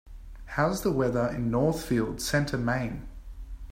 how's the weather in Northfield Center Maine